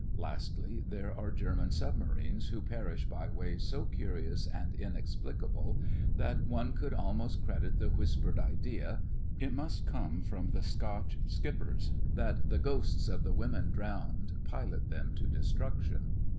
Lastly, there are German sub marines who perish by ways so curious and inexplicable that one could almost credit the whispered idea (it must come from the Scotch skippers) that the ghosts of the women drowned pilot them to destruction.